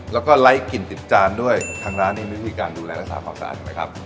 แล้วก็ไร้กลิ่นติดจานด้วยทางร้านมีวิธีการดูแลรักษาความสะอาดใช่ไหมครับ